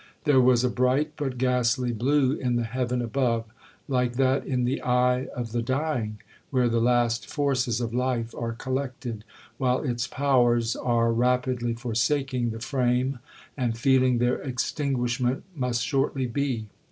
There was a bright but ghastly blue in the heaven above, like that in the eye of the dying, where the last forces of life are collected, while its powers are rapidly forsaking the frame, and feeling their extinguishment must shortly be.